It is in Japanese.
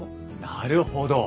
なるほど。